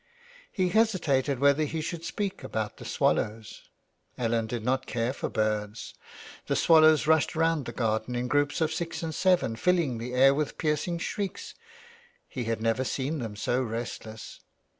He hesitated whether he should speak about the swallows, Ellen did not care for birds. The swallows rushed round the garden in groups of six and seven filling the air with piercing shrieks. He had never 351 THE WILD GOOSE. seen them so restless.